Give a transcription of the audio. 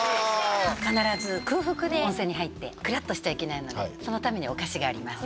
必ず空腹で温泉に入ってくらっとしちゃいけないのでそのためにお菓子があります。